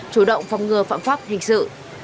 chủ động phòng ngừa phạm pháp hình sự